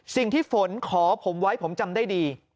สิ่งที่ฝนขอผมไว้ผมจำได้ดี